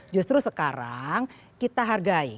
justru sekarang kita hargai